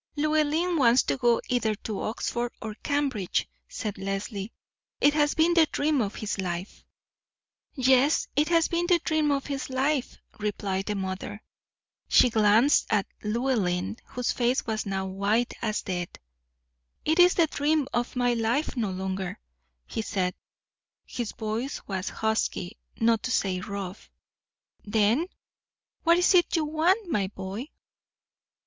"Llewellyn wants to go either to Oxford or Cambridge," said Leslie. "It has been the dream of his life." "Yes, it has been the dream of his life," replied the mother. She glanced at Llewellyn, whose face was now white as death. "It is the dream of my life no longer," he said. His voice was husky, not to say rough. "Then, what is it you want, my boy?"